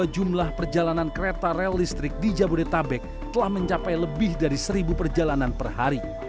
jumlah perjalanan kereta rel listrik di jabodetabek telah mencapai lebih dari seribu perjalanan per hari